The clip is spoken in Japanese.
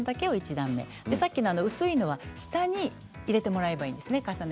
さっきの薄い箱は下に入れてもらえればいいんですね。